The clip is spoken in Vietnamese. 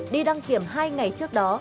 đi đăng kiểm hai ngày trước đó